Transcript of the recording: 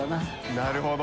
なるほど！